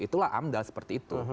itulah amdal seperti itu